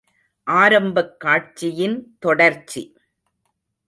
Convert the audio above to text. ஆரம்பக் காட்சியின் தொடர்ச்சி.